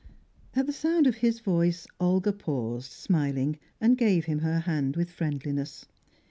At the sound of his voice, Olga paused, smiling, and gave him her hand with friendliness.